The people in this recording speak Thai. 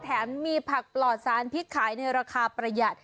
แถมมีผักปลอดสารพิษขายในราคาประหยัด